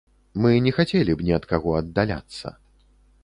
Мы не хацелі б ні ад каго аддаляцца.